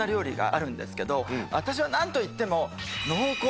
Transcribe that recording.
私は何といっても。